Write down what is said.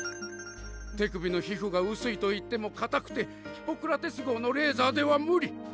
手首の皮膚が薄いといっても硬くてヒポクラテス号のレーザーでは無理。